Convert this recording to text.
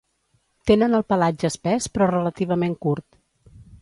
Tenen el pelatge espès però relativament curt.